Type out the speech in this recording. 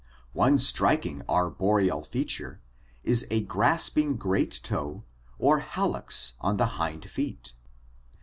One striking arboreal feature is a grasping great toe or hallux on the hind feet (see Fig.